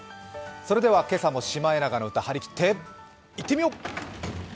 それでは今朝もシマエナガの歌、はりきって行ってみよう！